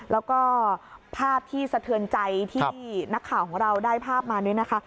แล้วก็ภาพที่สะเทือนใจที่นักข่าวของเราได้ภาพมาเนี่ยนะคะ